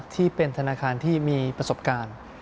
ที่เป็นธนาคารที่มีประสบการณ์